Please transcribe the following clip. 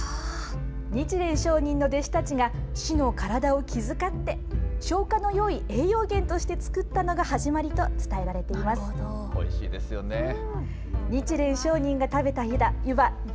日蓮聖人の弟子たちが、師の体を気遣って、消化のよい栄養源として作ったのが始まりと伝えられてなるほど。